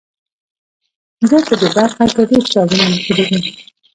ده په دې برخه کې ډیر کتابونه لیکلي دي.